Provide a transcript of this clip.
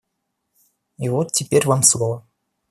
И вот теперь вам слово.